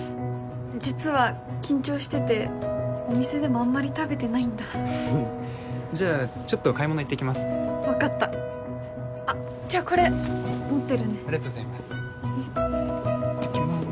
実は緊張しててお店でもあんまり食べてないんだじゃあちょっと買い物行ってきますね分かったあっじゃあこれ持ってるねありがとうございます行ってきまーす